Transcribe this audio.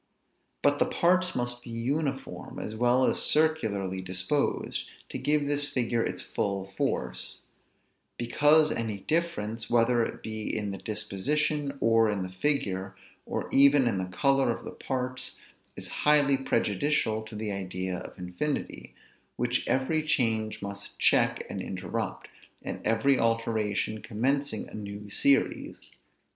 But the parts must be uniform, as well as circularly disposed, to give this figure its full force; because any difference, whether it be in the disposition, or in the figure, or even in the color of the parts, is highly prejudicial to the idea of infinity, which every change must check and interrupt, at every alteration commencing a new series.